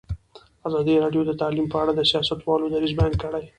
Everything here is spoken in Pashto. ازادي راډیو د تعلیم په اړه د سیاستوالو دریځ بیان کړی.